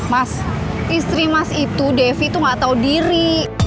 mas istri mas itu devi itu gak tau diri